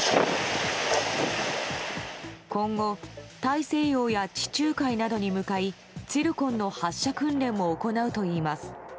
今後、大西洋や地中海などに向かいツィルコンの発射訓練も行うといいます。